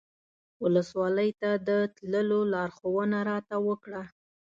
ولسوالۍ ته د تللو لارښوونه راته وکړه.